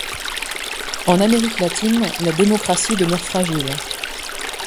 En Amérique latine, la démocratie demeure fragile.